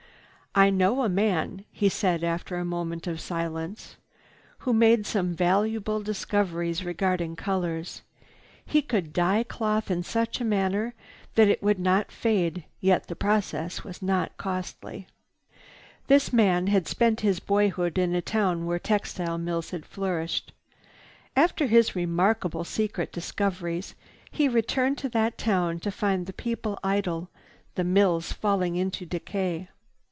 "I know a man," he said after a moment of silence, "who made some valuable discoveries regarding colors. He could dye cloth in such a manner that it would not fade, yet the process was not costly. "This man had spent his boyhood in a town where textile mills had flourished. After his remarkable secret discoveries he returned to that town to find the people idle, the mills falling into decay.